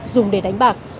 dùng để đánh bạc